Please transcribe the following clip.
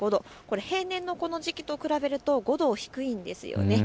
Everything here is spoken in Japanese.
平年のこの時期と比べると５度低いんです。